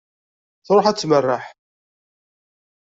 Truḥ ad tmerreḥ.